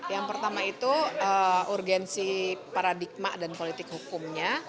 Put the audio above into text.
yang pertama itu urgensi paradigma dan politik hukumnya